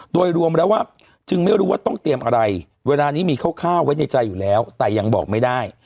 โดยรวมแล้วว่าจึงไม่รู้ว่าต้องเตรียมอะไรเวลานี้มีคร่าวไว้ในใจอยู่แล้วแต่ยังบอกไม่ได้